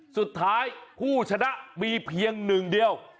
สุดท้ายผู้ชนะมีเพียงหนึ่งเดียว